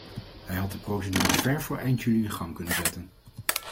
Hij had de procedure ver voor eind juli in gang kunnen zetten.